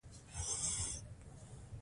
پانګوال غواړي چې د ګټې یوه برخه پانګه کړي